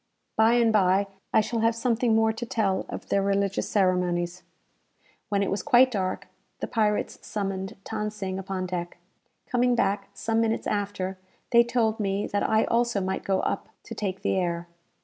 By and bye, I shall have something more to tell of their religious ceremonies. When it was quite dark, the pirates summoned Than Sing upon deck. Coming back some few minutes after, they told me that I also might go up to take the air.